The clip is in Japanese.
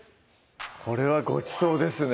これはごちそうですね